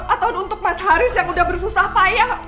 atau untuk mas haris yang udah bersusah payah